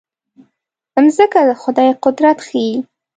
مځکه د خدای قدرت ښيي.